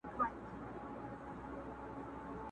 پر قسمت یې د تیارې پلو را خپور دی٫